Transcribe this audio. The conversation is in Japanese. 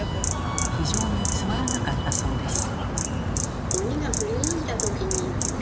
非常につまらなかったそうです。